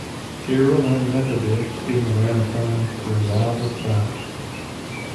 Cyril and Methodius in the Renaissance Revival style.